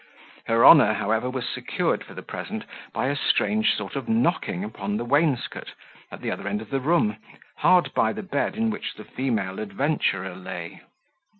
Her honour, however, was secured for the present, by a strange sort of knocking upon the wainscot, at the other end of the room, hard by the bed in which the female adventurer lay.